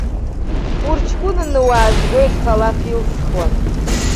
Урҷкәынаны уаазгоит ҳәа алаф илсхуан.